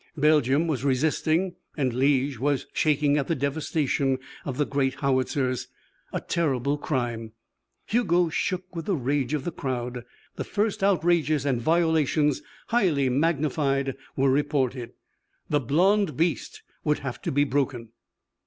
Belgium was resisting and Liége was shaking at the devastation of the great howitzers. A terrible crime. Hugo shook with the rage of the crowd. The first outrages and violations, highly magnified, were reported. The blond beast would have to be broken.